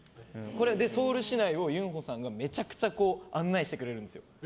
ソウル市内をユンホさんがめちゃくちゃ案内してくれるんです。